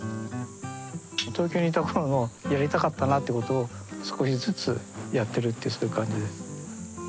東京にいた頃のやりたかったなってことを少しずつやってるっていうそういう感じで。